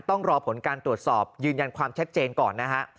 ต้องรอผลการตรวจสอบยืนยันความชัดเจนก่อนนะฮะ